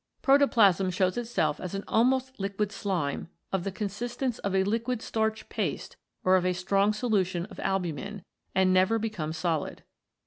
Protoplasm shows itself as an almost liquid slime of the consistence of a liquid starch paste or of a strong solution of albumin, and never becomes solid.